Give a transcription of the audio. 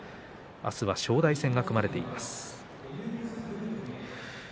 明日は正代戦が組まれています。